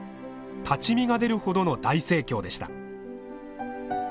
立ち見が出るほどの大盛況でした。